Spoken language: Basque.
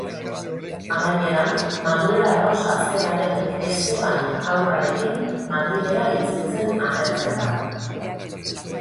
Amaieran, Manuela Rosa zenaren Esteban haurrarekin Madrilera itzultzen agertzen da.